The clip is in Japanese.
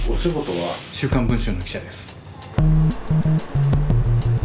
「週刊文春」の記者です。